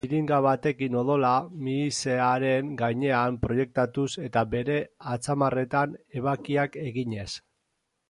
Xiringa batekin odola mihisearen gainean proiektatuz eta bere atzamarretan ebakiak eginez.